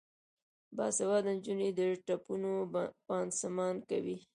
باسواده نجونې د ټپونو پانسمان کوي.